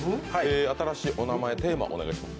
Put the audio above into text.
新しいお名前、テーマお願いします。